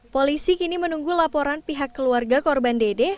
polisi kini menunggu laporan pihak keluarga korban dede